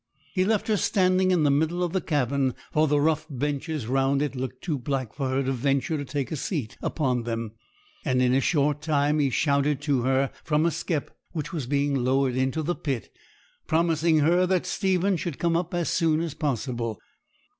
He left her standing in the middle of the cabin, for the rough benches round it looked too black for her to venture to take a seat upon them; and in a short time he shouted to her from a skep, which was being lowered into the pit, promising her that Stephen should come up as soon as possible.